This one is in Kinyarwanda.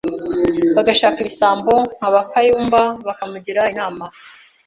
bagashaka ibisambo nka ba Kayumba bakamugira inama,